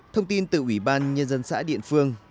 thông tin từ ủy ban nhân dân xã điện phương